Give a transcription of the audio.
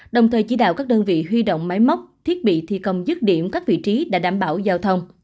đồng thời chỉ đạo các đơn vị huy động máy móc thiết bị thi công dứt điểm các vị trí đã đảm bảo giao thông